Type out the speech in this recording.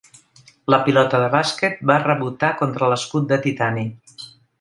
La pilota de bàsquet va rebotar contra l'escut de titani.